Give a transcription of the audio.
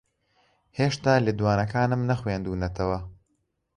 ھێشتا لێدوانەکانم نەخوێندوونەتەوە.